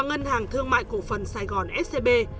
ngân hàng thương mại cổ phần sài gòn scb